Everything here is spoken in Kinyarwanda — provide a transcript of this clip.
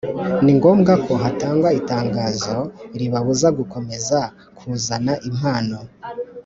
ni ngombwa ko hatangwa itangazo ribabuza gukomeza kuzana impano